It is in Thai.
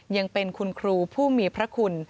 ยังเป็นคุณครูผู้มีพระคุณ